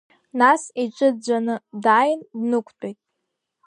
Нас, иҿы ӡәӡәаны, дааин, днықәтәеит.